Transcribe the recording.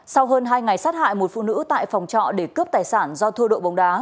sau hơn hai ngày sát hại một phụ nữ tại phòng trọ để cướp tài sản do thua độ bóng đá